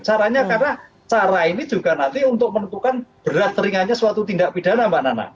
caranya karena cara ini juga nanti untuk menentukan berat teringatnya suatu tindak pidana mbak nana